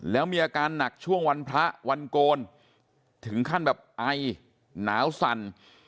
แล้วมีอาการหนักช่วงวันพระวันโกนถึงขั้นแบบไอหนาวสั่น